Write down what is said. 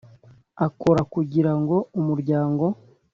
akora kugira ngo umuryango